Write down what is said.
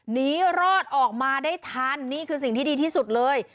หนีรอดออกมาได้ทันนี่คือสิ่งที่ดีที่สุดเลย